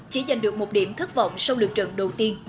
chỉ giành được một điểm thất vọng sau lượt trận đầu tiên